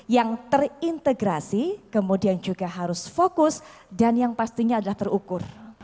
yang terintegrasi kemudian juga harus fokus dan yang pastinya adalah terukur